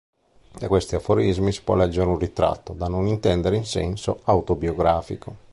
Da questi aforismi si può leggere un ritratto, da non intendere in senso autobiografico.